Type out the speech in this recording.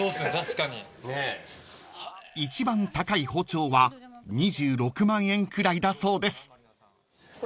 ［一番高い包丁は２６万円くらいだそうです］